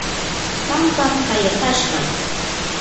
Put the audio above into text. pampam kayakashqa.